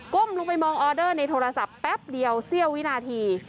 ลงไปมองออเดอร์ในโทรศัพท์แป๊บเดียวเสี้ยววินาที